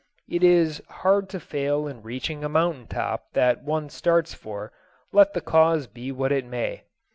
It is hard to fail in reaching a mountain top that one starts for, let the cause be what it may.